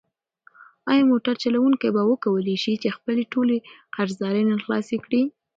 ایا موټر چلونکی به وکولی شي چې خپلې ټولې قرضدارۍ نن خلاصې کړي؟